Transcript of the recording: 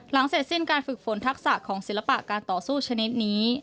เสร็จสิ้นการฝึกฝนทักษะของศิลปะการต่อสู้ชนิดนี้